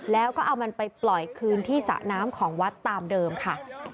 แล้วก็เอามันไปปล่อยคืนที่สระน้ำของวัดตามเดิมค่ะ